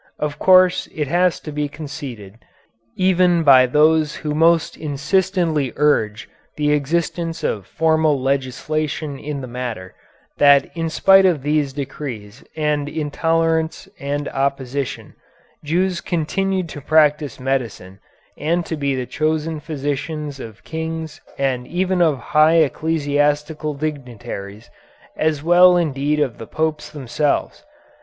Of course it has to be conceded, even by those who most insistently urge the existence of formal legislation in the matter, that in spite of these decrees and intolerance and opposition, Jews continued to practise medicine and to be the chosen physicians of kings and even of high ecclesiastical dignitaries, as well indeed of the Popes themselves.